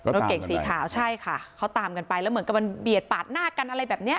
รถเก่งสีขาวใช่ค่ะเขาตามกันไปแล้วเหมือนกับมันเบียดปาดหน้ากันอะไรแบบนี้